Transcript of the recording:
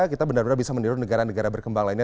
kita benar benar bisa meniru negara negara berkembang lainnya